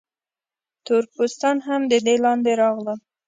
تور پوستان هم د دې لاندې راغلل.